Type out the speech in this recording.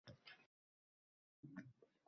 Bu cholni “tergovchi” deyishar hamon